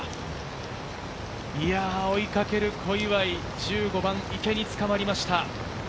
追いかける小祝、１５番の池につかまりました。